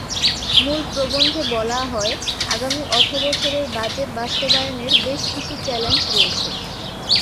মূল প্রবন্ধে বলা হয়, আগামী অর্থবছরের বাজেট বাস্তবায়নের বেশ কিছু চ্যালেঞ্জ রয়েছে।